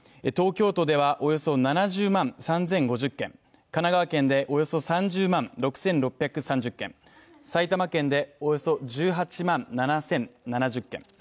東京都では、およそ７０万３０５０軒、神奈川県でおよそ３０万６６３０軒、埼玉県でおよそ１８万７０７０軒